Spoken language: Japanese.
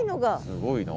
すごいな。